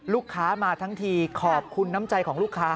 ลูกค้ามาทั้งทีขอบคุณน้ำใจของลูกค้า